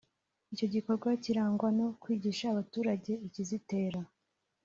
Icyo gikorwa kirangwa no kwigisha abaturage ikizitera